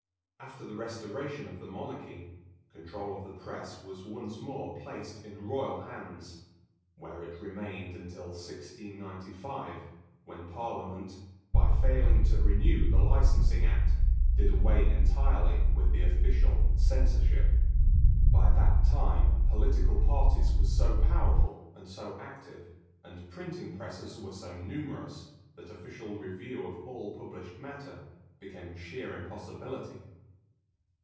After the restoration of the monarchy, control of the press was once more placed in royal hands, where it remained until 1695, when Parliament, by failing to renew the licensing act, did away entirely with the official censorship. By that time political parties were so powerful and so active and printing presses were so numerous that official review of all published matter became a sheer impossibility.